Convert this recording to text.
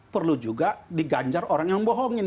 perlu juga diganjar orang yang bohongin